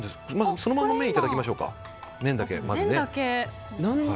そのまま麺だけいただきましょうか。